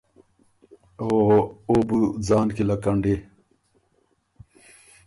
او او بُو ځان کی لکنډی۔